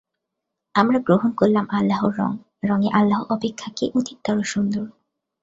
আমরা গ্রহণ করলাম আল্লাহর রং, রঙে আল্লাহ অপেক্ষা কে অধিকতর সুন্দর?